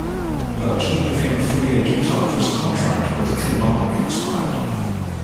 Burchill became a free agent after his contract with Kilmarnock expired.